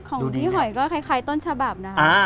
อันนี้คล้ายต้นฉบับนะฮะ